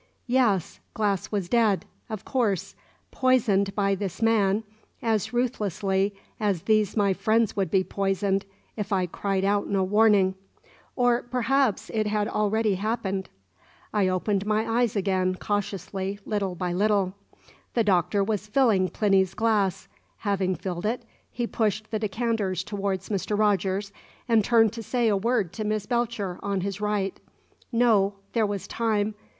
Yes; Glass was dead, of course, poisoned by this man as ruthlessly as these my friends would be poisoned if I cried out no warning. ... Or perhaps it had happened already. I opened my eyes again, cautiously, little by little. The Doctor was filling Plinny's glass. Having filled it, he pushed the decanters towards Mr. Rogers, and turned to say a word to Miss Belcher, on his right. No; there was time.